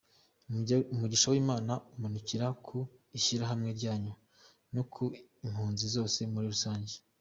Umugisha w’lmana umanukire ku ishyirahamwe ryanyu no ku impunzi zose muri rusange.